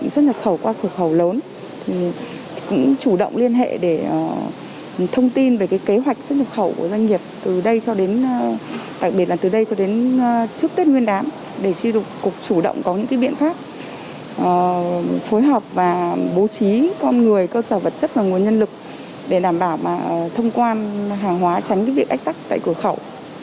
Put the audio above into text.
sở vật chất và nguồn nhân lực để đảm bảo thông quan hàng hóa tránh việc ách tắc tại cửa khẩu